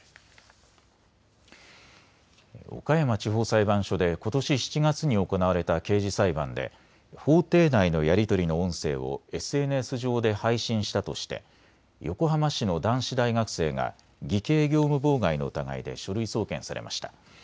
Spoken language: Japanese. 岡山地方裁判所でことし７月に行われた刑事裁判で法廷内のやり取りの音声をＳＮＳ上で配信したとして横浜市の男子大学生が偽計業務妨害の疑いで書類送検されました。